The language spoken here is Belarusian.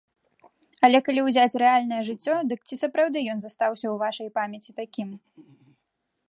Але калі ўзяць рэальнае жыццё, дык ці сапраўды ён застаўся ў вашай памяці такім?